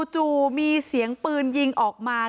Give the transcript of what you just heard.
จู่มีเสียงปืนยิงออกมา